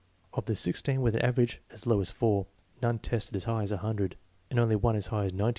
Of the sixteen with an average as low as 4, none tested as high as 100, and only one as high as 90.